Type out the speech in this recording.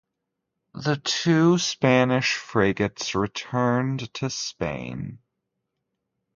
The two Spanish frigates returned to Spain.